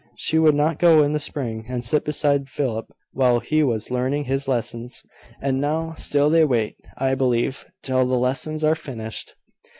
She would not go in the spring, and sit beside Philip while he was learning his lessons; and now, they will wait, I believe, till the lessons are finished."